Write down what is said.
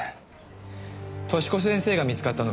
寿子先生が見つかったのがここ。